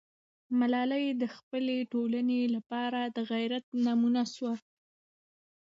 ملالۍ د خپلې ټولنې لپاره د غیرت نمونه سوه.